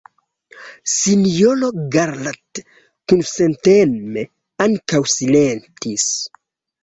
Sinjoro Garrat kunsenteme ankaŭ silentis.